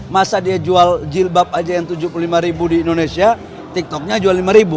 masa dia jual jilbab aja yang rp tujuh puluh lima ribu di indonesia tiktoknya jual rp lima